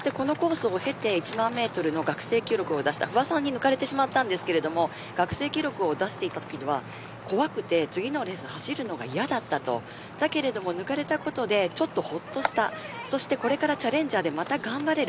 このコースを経て、１万メートル学生記録を出した不破さんに抜かれてしまいましたが学生記録を出していたときには怖くて次のレースを走るのが嫌だったとだけれども抜かれたことでちょっとほっとしたこれからチャレンジャーでまた頑張れる